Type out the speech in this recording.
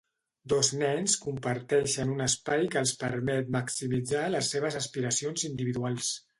Dos nens comparteixen un espai que els permet maximitzar les seves aspiracions individuals